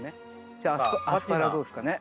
じゃあアスパラはどうですかね？